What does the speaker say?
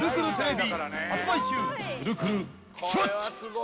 くるくるシュワッチ！